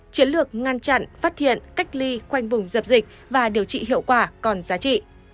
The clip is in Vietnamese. chiến lược ngăn chặn phát hiện cách ly khoanh vùng dập dịch và điều trị hiệu quả còn giá trị